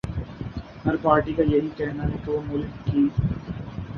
ہر party کایہی کہنا ہے کہ وہ ملک کی